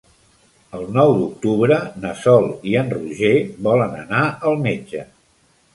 El nou d'octubre na Sol i en Roger volen anar al metge.